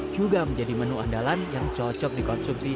juga menjadi menu andalan yang cocok dikonsumsi